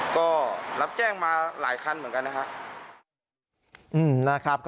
ก็รับแจ้งมาหลายคันเหมือนกันนะครับ